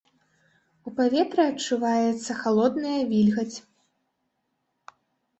У паветры адчуваецца халодная вільгаць.